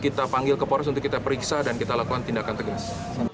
kita panggil ke polres untuk kita periksa dan kita lakukan tindakan tegas